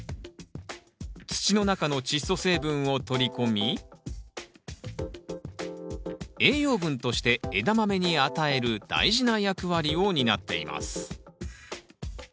土の中のチッ素成分を取り込み栄養分としてエダマメに与える大事な役割を担っています。